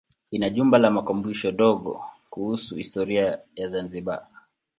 Ina jumba la makumbusho dogo kuhusu historia ya Zanzibar.